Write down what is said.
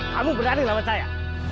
kamu berani lawan saya